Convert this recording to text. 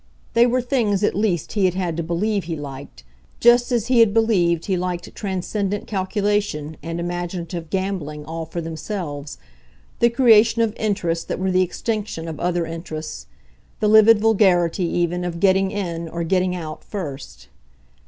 They were things at least he had had to believe he liked, just as he had believed he liked transcendent calculation and imaginative gambling all for themselves, the creation of "interests" that were the extinction of other interests, the livid vulgarity, even, of getting in, or getting out, first.